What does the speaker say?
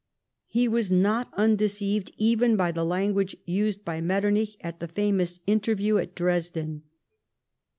He was not undeceived even by the language used by Metternich at the famous interview at Dresden.